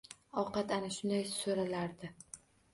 Ovqat ana shunday soʻralardi